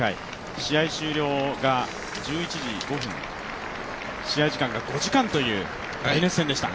試合終了が１１時５分、試合時間が５時間という大熱戦でした。